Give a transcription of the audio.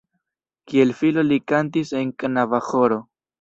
Kiel filo li kantis en knaba ĥoro.